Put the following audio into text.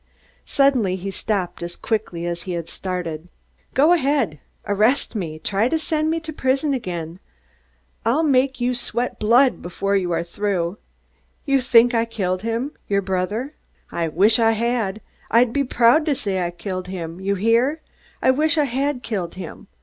Suddenly he stopped, as quickly as he had started. "Go ahead! Arrest me! Try to send me to prison again. I'll make you sweat blood before you are through. You think I killed him your brother? I wish I had. I'd be proud to say I killed him! You hear? I wish I had killed him.